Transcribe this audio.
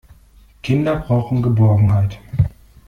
Kinder brauchen Geborgenheit.